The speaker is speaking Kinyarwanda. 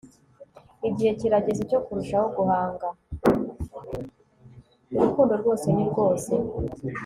urukundo rwose ni rwose